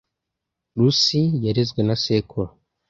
Lucy yarezwe na sekuru.